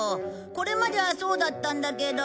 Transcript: これまではそうだったんだけど。